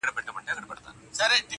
دلته بله محکمه وي فیصلې وي-